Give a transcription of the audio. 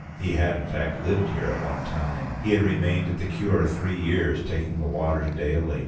He had in fact lived here at one time. He had remained at the Cure three years, taking the waters daily.